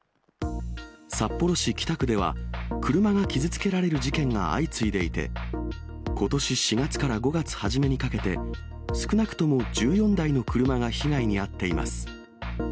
札幌市北区では、車が傷つけられる事件が相次いでいて、ことし４月から５月初めにかけて、少なくとも１４台の車が被害に遭っています。